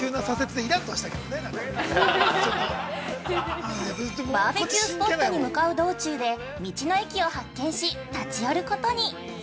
◆バーベキュースポットに向かう道中で道の駅を発見し、立ち寄ることに。